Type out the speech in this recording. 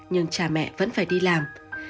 nhưng cha mẹ vẫn phải đi làm